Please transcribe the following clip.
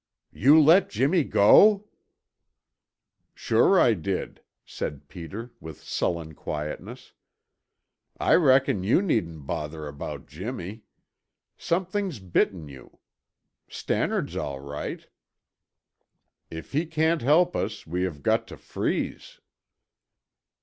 "You let Jimmy go!" "Sure I did," said Peter, with sullen quietness. "I reckon you needn't bother about Jimmy. Something's bitten you. Stannard's all right. If he can't help us, we have got to freeze."